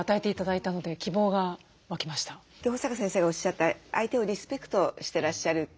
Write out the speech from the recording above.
保坂先生がおっしゃった相手をリスペクトしてらっしゃるって。